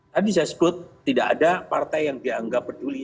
tadi saya sebut tidak ada partai yang dianggap peduli